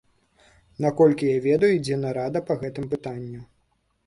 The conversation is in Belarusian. Наколькі ведаю, ідзе нарада па гэтым пытанні.